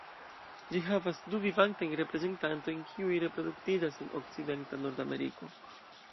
Ĝi havas du vivantajn reprezentantojn kiuj reproduktiĝas en okcidenta Nordameriko.